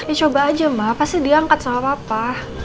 ya coba aja ma pasti diangkat sama papa